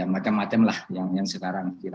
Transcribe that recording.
macam macam lah yang sekarang